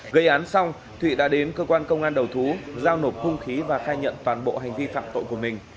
gây án xong thụy đã đến cơ quan công an đầu thú giao nộp hung khí và khai nhận toàn bộ hành vi phạm tội của mình